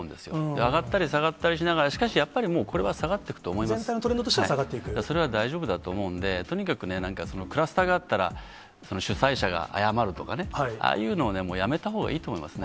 上がったり下がったりしながら、しかしやっぱりもう、これは下が全体のトレンドとしては下がそれは大丈夫だと思うんで、とにかくね、なんかクラスターがあったら、主催者が謝るとかね、ああいうのはもうやめたほうがいいと思いますね。